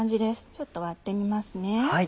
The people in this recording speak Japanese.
ちょっと割ってみますね。